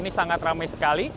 ini sangat ramai sekali